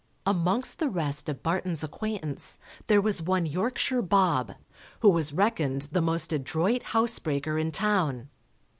Amongst the rest of Barton's acquaintance there was one Yorkshire Bob, who was reckoned the most adroit housebreaker in town.